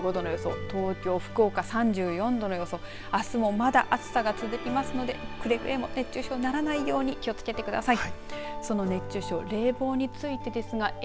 あすもまだ暑さが続きますのでくれぐれも熱中症にならないように気をつけてください。